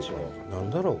何だろう？